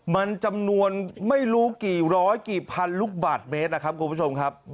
มันจำนวนไม่รู้กี่ร้อยกี่พันลูกบาทเมตรนะครับคุณผู้ชมครับ